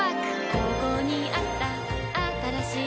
ここにあったあったらしい